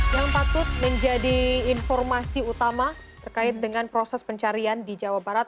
yang patut menjadi informasi utama terkait dengan proses pencarian di jawa barat